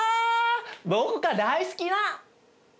僕が大好きな。